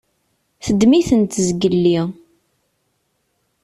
Teddem-itent zgelli.